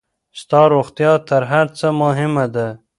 ستا روغتيا تر هر څۀ مهمه ده.